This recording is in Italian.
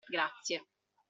Grazie.